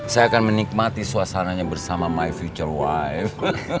saya akan menikmati suasananya bersama my future wive